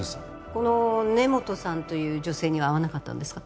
この根本さんという女性には会わなかったんですか？